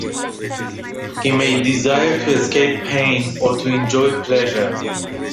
He may desire to escape pain, or to enjoy pleasure.